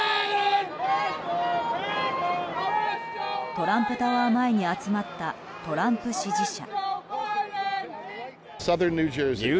トランプタワー前に集まったトランプ支持者。